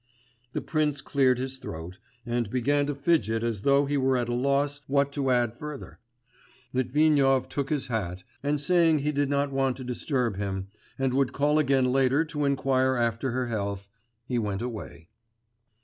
The prince cleared his throat, and began to fidget as though he were at a loss what to add further. Litvinov took his hat, and saying he did not want to disturb him, and would call again later to inquire after her health, he went away.